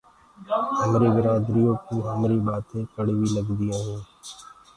همري برآدري ڪوُ همري بآتينٚ ڪڙوي لگديونٚ هينٚ۔